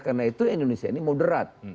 karena itu indonesia ini moderat